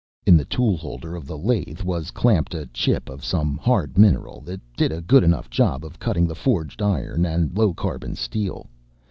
In the tool holder of the lathe was clamped a chip of some hard mineral that did a good enough job of cutting the forged iron and low carbon steel.